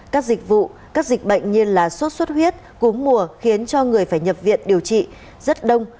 các dịch vụ các dịch bệnh như là suốt suốt huyết cú mùa khiến cho người phải nhập viện điều trị rất đông